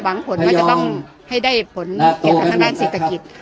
วางผลว่าจะต้องให้ได้ผลยนต์ทางด้านศิษยศิตฐกิจ